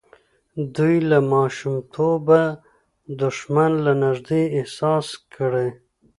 دوی له ماشومتوبه دښمن له نږدې احساس کړی.